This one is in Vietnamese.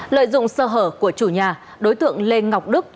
lợi dụng sơ hở của chủ nhà đối tượng lê ngọc đức